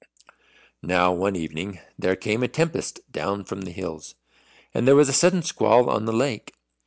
Now one evening there came a tempest down from the hills, and there was a sudden squall on the lake.